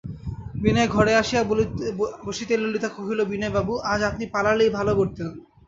বিনয় ঘরে আসিয়া বসিতেই ললিতা কহিল, বিনয়বাবু, আজ আপনি পালালেই ভালো করতেন।